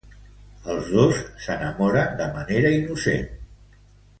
Els dos s'enamoren de manera innocent.